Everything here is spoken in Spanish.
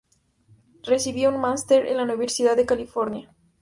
Recibió un máster en la Universidad de California.